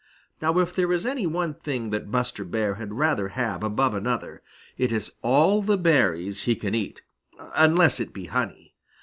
Now if there is any one thing that Buster Bear had rather have above another, it is all the berries he can eat, unless it be honey.